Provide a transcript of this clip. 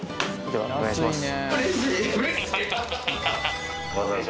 ではお願いします。